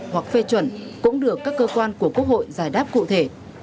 hoặc phê chuẩn cũng được các cơ quan của quốc hội giải đáp cụ thể